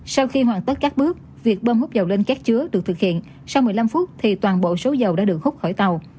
sau khi hoàn tất các bước việc bơm hút dầu lên các chứa được thực hiện sau một mươi năm phút thì toàn bộ số dầu đã được hút khỏi tàu